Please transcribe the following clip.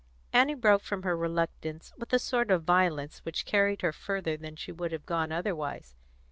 Annie broke from her reluctance with a sort of violence which carried her further than she would have gone otherwise.